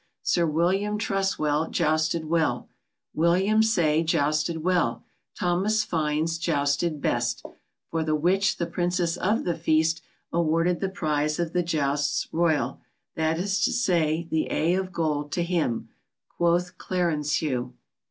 Sir William Truswell jousted well; William Say jousted well; Thomas Fynes jousted best; for the which the Princess of the Feast awarded the prize of the jousts royal, that is to say, the A of gold, to him," quoth Clarencieux.